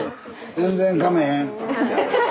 全然かまへん。